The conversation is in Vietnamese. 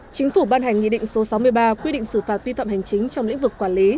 chính phủ ban hành nghị định số sáu mươi ba quy định xử phạt vi phạm hành chính trong lĩnh vực quản lý